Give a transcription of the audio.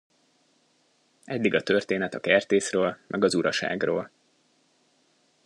Eddig a történet a kertészről meg az uraságról.